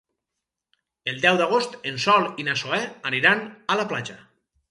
El deu d'agost en Sol i na Zoè volen anar a la platja.